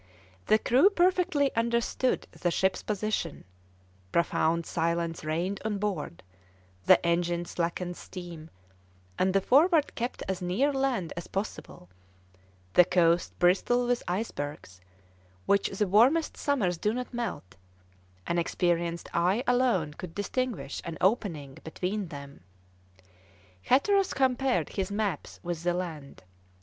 The crew perfectly understood the ship's position; profound silence reigned on board; the engine slackened steam, and the Forward kept as near land as possible; the coast bristled with icebergs, which the warmest summers do not melt; an experienced eye alone could distinguish an opening between them. Hatteras compared his maps with the land.